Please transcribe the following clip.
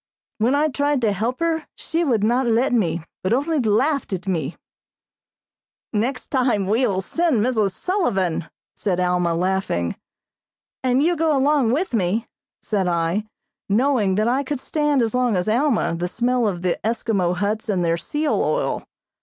When I tried to help her she would not let me, but only laughed at me." "Next time we will send Mrs. Sullivan," said Alma, laughing. "And you go along with me," said I, knowing that I could stand as long as Alma the smell of the Eskimo huts and their seal oil.